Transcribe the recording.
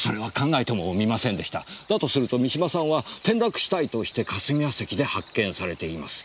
だとすると三島さんは転落死体として霞ヶ関で発見されています。